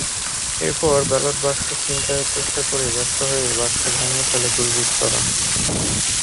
এরপর ballot box ছিনতাইয়ের চেষ্টা করে ব্যর্থ হয়ে বাক্স ভেঙে ফেলে দুর্বৃত্তরা।